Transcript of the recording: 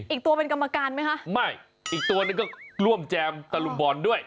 อีกตัวเป็นกรรมการไหมคะไม่อีกตัวหนึ่งก็ร่วมแจมตะลุมบอลด้วย